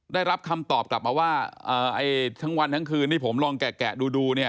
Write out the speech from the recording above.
ได้รับคำตอบกลับมาว่าไอ้ทั้งวันทั้งคืนที่ผมลองแกะดูเนี่ย